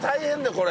これ。